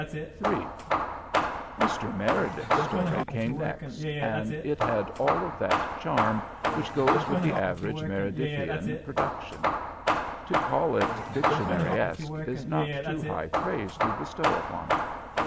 III Mr. Meredith's story came next, and it had all of that charm which goes with the average Meredithian production. To call it dictionaryesque is not too high praise to bestow upon it.